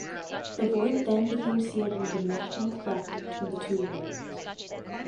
The Void then became sealed in a dimensional cleft between the two worlds.